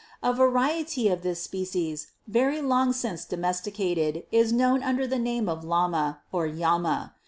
A variety of this species, very long since domesticated, is known under the name of Lama, or Llama.